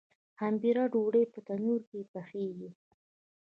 خمیره ډوډۍ په تندور کې پخیږي.